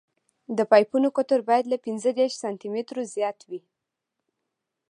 د پایپونو قطر باید له پینځه دېرش سانتي مترو زیات وي